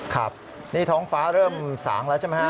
ครับนี่ท้องฟ้าเริ่มสางแล้วใช่ไหมฮะ